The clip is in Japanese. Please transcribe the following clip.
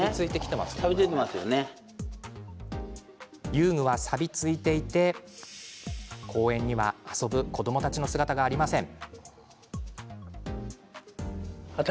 遊具はさびついていて公園には遊ぶ子どもたちの姿はありません。